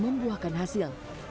petugas membuahkan hasil